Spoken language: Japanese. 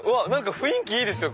雰囲気いいですよ